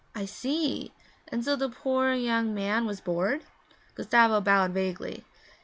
'I see! And so the poor young man was bored?' Gustavo bowed vaguely.